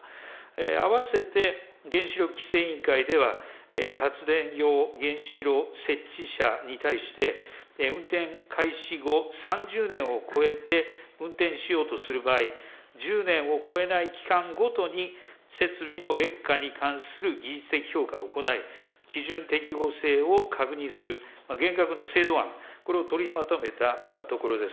併せて原子力規制委員会では、発電用原子炉設置者に対して、運転開始後３０年を超えて運転しようとする場合、１０年を超えない期間ごとに、設備の劣化に関する技術的評価を行い、基準適合性を確認する厳格な制度案、これを取りまとめたところです。